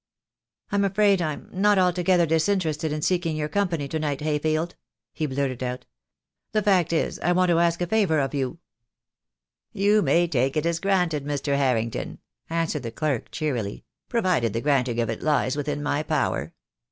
"I'm afraid I'm not altogether disinterested in seek ing your company to night, Hayfield," he blurted out. "The fact is, I want to ask a favour of you." THE DAY WILL COME. $2$ "You may take it as granted, Mr. Harrington," an swered the clerk cheerily, "provided the granting of it lies within my power."